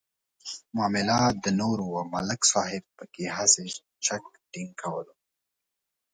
معامله د نور وه ملک صاحب پکې هسې چک ډینک کولو.